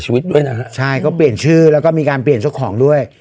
ด้วยนะฮะใช่ก็เปลี่ยนชื่อแล้วก็มีการเปลี่ยนเจ้าของด้วย